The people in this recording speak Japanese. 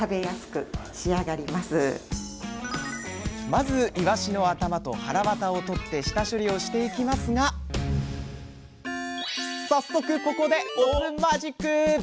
まずいわしの頭とはらわたを取って下処理をしていきますが早速ここでお酢マジック！